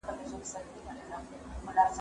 ايا ته کتاب ليکې.